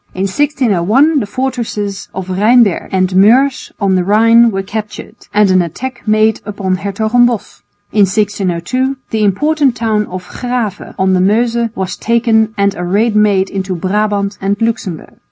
In 1601 the fortresses of Rheinberg and Meurs on the Rhine were captured, and an attack made upon Hertogenbosch. In 1602 the important town of Grave on the Meuse was taken and a raid made into Brabant and Luxemburg.